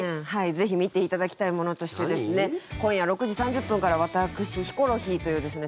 ぜひ見ていただきたいものとして今夜６時３０分から私、ヒコロヒーというですね